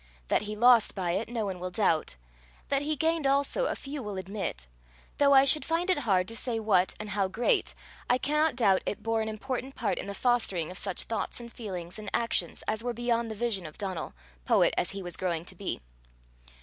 That he lost by it, no one will doubt; that he gained also, a few will admit: though I should find it hard to say what and how great, I cannot doubt it bore an important part in the fostering of such thoughts and feelings and actions as were beyond the vision of Donal, poet as he was growing to be.